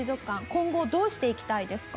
今後どうしていきたいですか？